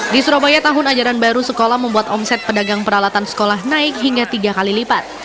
di surabaya tahun ajaran baru sekolah membuat omset pedagang peralatan sekolah naik hingga tiga kali lipat